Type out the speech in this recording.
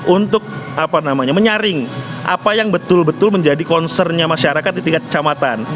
untuk menyaring apa yang betul betul menjadi concernnya masyarakat di tingkat kecamatan